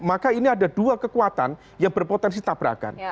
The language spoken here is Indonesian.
maka ini ada dua kekuatan yang berpotensi tabrakan